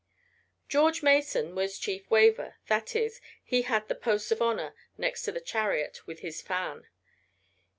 George Mason was chief waver that is, he had the post of honor, next the "chariot" with his fan.